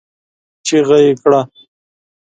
چيغه يې کړه!